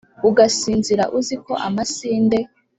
ugasinzira uziko amasinde